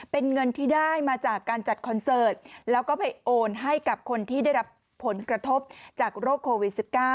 เป็นเงินที่ได้มาจากการจัดคอนเสิร์ตแล้วก็ไปโอนให้กับคนที่ได้รับผลกระทบจากโรคโควิด๑๙